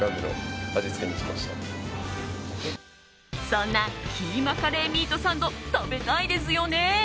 そんなキーマカレーミートサンド食べたいですよね？